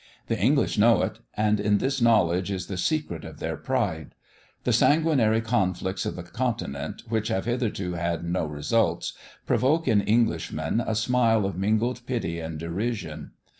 The English know it; and in this knowledge is the secret of their pride. The sanguinary conflicts of the continent, which have hitherto had no results, provoke in Englishmen a smile of mingled pity and derision.